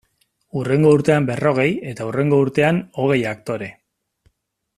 Hurrengo urtean berrogei, eta hurrengo urtean hogei aktore.